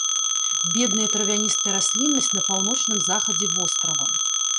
Бедная травяністая расліннасць на паўночным захадзе вострава.